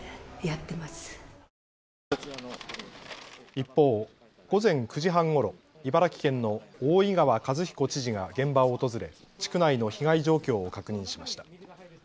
一方、午前９時半ごろ茨城県の大井川和彦知事が現場を訪れ地区内の被害状況を確認しました。